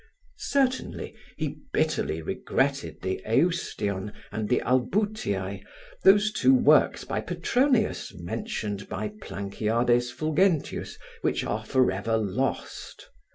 Certainly, he bitterly regretted the Eustion and the Albutiae, those two works by Petronius mentioned by Planciade Fulgence which are forever lost.